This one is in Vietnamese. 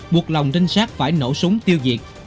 buộc lòng tinh sát phải nổ súng tiêu diệt